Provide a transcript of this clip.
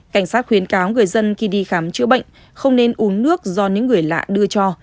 cảnh sát khuyến cáo người dân khi đi khám chữa bệnh không nên uống nước do những người lạ đưa cho